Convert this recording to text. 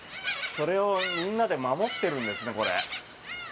それをみんなで守ってるんですねこれ。